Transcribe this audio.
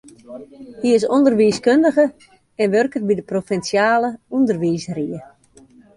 Hy is ûnderwiiskundige en wurket by de provinsjale ûnderwiisrie.